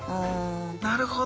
なるほど。